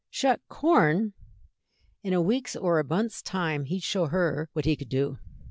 "Shuck corn! In a week's or a month's time he'd show her what he could do."